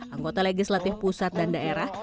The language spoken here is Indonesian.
anggota legislatif pusat dan daerah